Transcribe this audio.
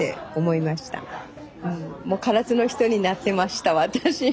もう唐津の人になってました私。